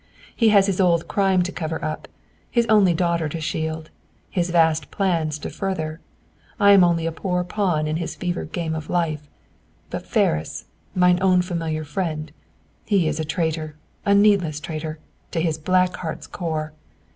"He has his old crime to cover up, his only daughter to shield, his vast plans to further. I am only a poor pawn in his fevered game of life; but Ferris, 'mine own familiar friend,' he is a traitor, a needless traitor, to his black heart's core.